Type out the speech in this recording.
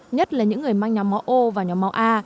nhất là những người mang nhóm máu ô và nhóm máu a